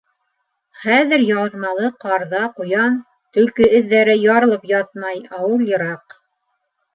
Хәҙер ярмалы ҡарҙа ҡуян, төлкө эҙҙәре ярылып ятмай, ауыл йыраҡ.